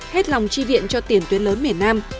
hết lòng chi viện cho tiền tuyến lớn miền nam